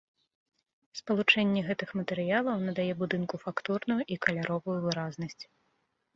Спалучэнне гэтых матэрыялаў надае будынку фактурную і каляровую выразнасць.